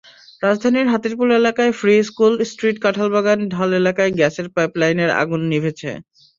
রাজধানীর হাতিরপুল এলাকার free school street Kathalbagan ঢাল এলাকায় গ্যাসের পাইপলাইনের আগুন নিভেছে।